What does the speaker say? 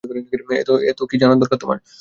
এতো কি জানার দরকার তোমার?